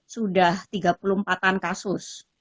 sudah tiga puluh empat an kasus